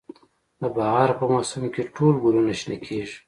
د بهار په موسم کې ټول ګلونه شنه کیږي